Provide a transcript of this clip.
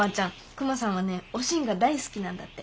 クマさんはね「おしん」が大好きなんだって。